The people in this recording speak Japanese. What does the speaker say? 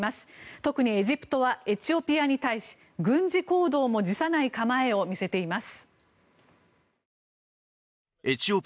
特にエジプトはエチオピアに対し軍事行動も辞さない構えを見せています。